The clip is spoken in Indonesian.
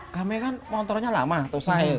kami kan motornya lama usai